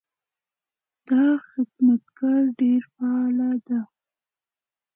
دا خدمتګر ډېر فعاله ده.